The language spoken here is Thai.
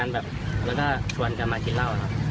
แล้วก็ชวนกันมากินเหล้าครับ